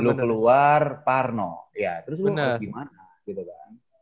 lo keluar parno ya terus lo mau kemana gitu kan